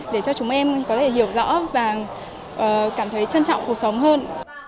để cho chúng em có thể hiểu rõ và cảm thấy trân trọng cuộc sống hơn